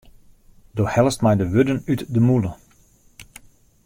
Do hellest my de wurden út de mûle.